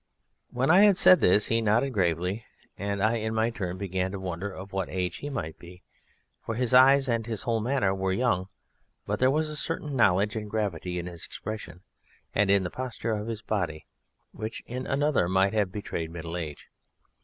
When I had said this he nodded gravely, and I in my turn began to wonder of what age he might be, for his eyes and his whole manner were young, but there was a certain knowledge and gravity in his expression and in the posture of his body which in another might have betrayed middle age.